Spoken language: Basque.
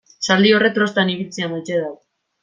Zaldi horrek trostan ibiltzea maite du.